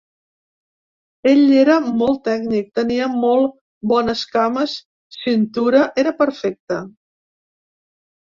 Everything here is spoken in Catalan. Ell era molt tècnic, tenia molt bones cames, cintura, era perfecte.